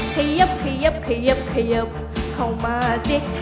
เขยับเขยับเขยับเขยับเข้ามาสิ